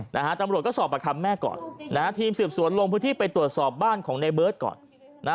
จำรวจก็สอบปรักษณ์แม่ก่อนทีมสืบสวนลงพื้นที่ไปตรวจสอบบ้านของในเบิร์ดก่อน